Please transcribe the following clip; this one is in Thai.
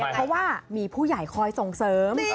เพราะว่ามีผู้ใหญ่คอยส่งเสริม